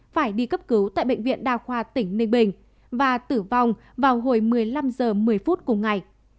phải đi cấp cứu tại bệnh viện đa khoa tỉnh ninh bình và tử vong vào hồi một mươi năm h một mươi phút cùng ngày